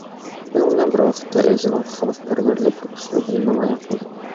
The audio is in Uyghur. شۇنىڭ بىلەن بىر ۋاقىتتا، ئۆزىنىڭ خەلقپەرۋەرلىك ئۇسلۇبىنى نامايان قىلدى.